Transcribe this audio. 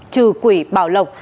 trừ quỷ bảo lộc